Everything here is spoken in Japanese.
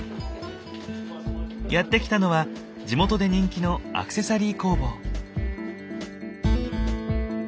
やって来たのは地元で人気のアクセサリー工房。